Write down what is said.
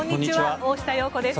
大下容子です。